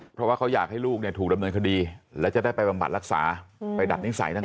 เพราะว่าเขาอยากให้ลูกถูกดำเนินคดีและจะได้ไปบำบัดรักษาไปดัดนิสัยต่าง